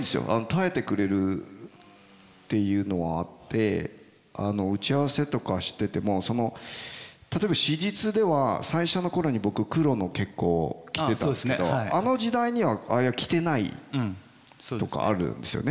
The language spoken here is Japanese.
耐えてくれるっていうのはあって打ち合わせとかしてても例えば史実では最初の頃に僕黒の結構着てたんですけどあの時代にはあれは着てないとかあるんですよね。